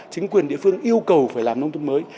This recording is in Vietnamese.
chính quyền địa phương yêu cầu phải làm nông thôn mới